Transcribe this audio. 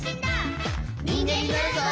「にんげんになるぞ！」